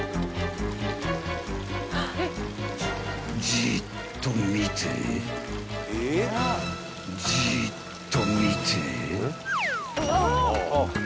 ［じーっと見てじーっと見て］